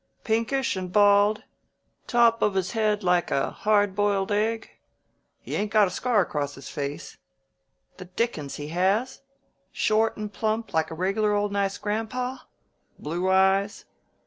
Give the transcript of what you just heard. "Pinkish, and bald? Top of his head like a hard boiled egg? He ain't got a scar across his face? The dickens he has! Short and plump, and a reg'lar old nice grandpa? Blue eyes?